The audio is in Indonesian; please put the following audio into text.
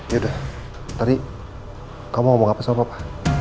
yaudah tadi kamu ngomong apa sama bapak